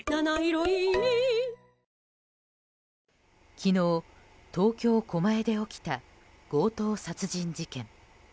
昨日、東京・狛江で起きた強盗殺人事件。